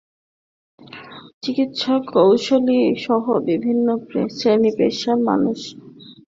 চিকিৎসক, প্রকৌশলীসহ বিভিন্ন শ্রেণী-পেশার মানুষ আমাদের সঙ্গে সংহতি প্রকাশ করতে এসেছেন।